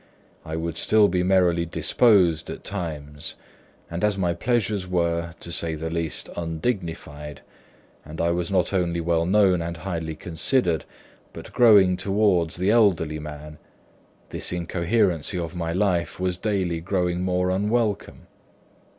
I would still be merrily disposed at times; and as my pleasures were (to say the least) undignified, and I was not only well known and highly considered, but growing towards the elderly man, this incoherency of my life was daily growing more unwelcome.